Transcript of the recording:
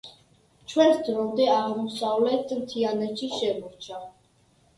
ჩვენს დრომდე აღმოსავლეთ მთიანეთში შემორჩა.